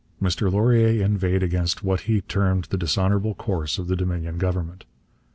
Mr Laurier inveighed against what he termed the dishonourable course of the Dominion Government.